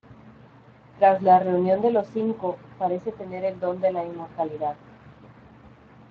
Tras la "Reunión de los Cinco" parece tener el don de la inmortalidad.